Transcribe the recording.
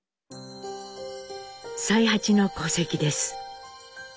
才八の戸籍です。